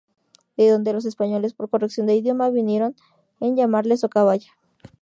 De donde los españoles por corrección del idioma vinieron en llamarle Socabaya.